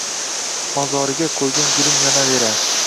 Mozoriga qo’ygan gulim yonaverar